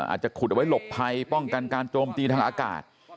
อาจจะขุดเอาไว้หลบภัยป้องกันการโจมตีทางอากาศ